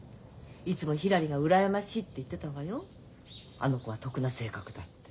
あの子は得な性格だって。